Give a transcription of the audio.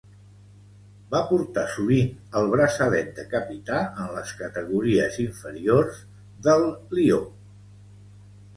Va portar sovint el braçalet de capità en les categories inferiors del Lió.